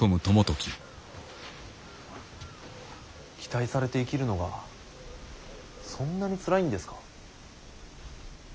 期待されて生きるのがそんなにつらいんですか。